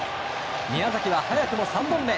宮崎は早くも３本目。